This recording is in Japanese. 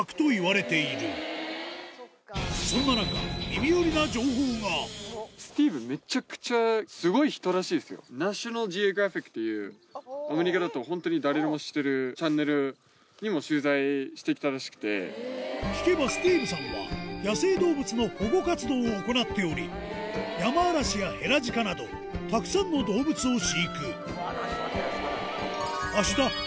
そんな中聞けばスティーブさんは野生動物の保護活動を行っておりヤマアラシやヘラジカなどたくさんの動物を飼育